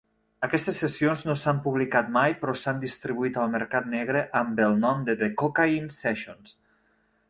Aquestes sessions no s'han publicat mai, però s'han distribuït al mercat negre amb el nom de "The Cocaine Sessions".